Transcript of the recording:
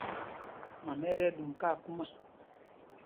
Mama ɛ tí ɛɗum kámɛkúma.